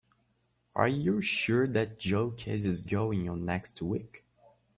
Are you sure that Joe case is going on next week?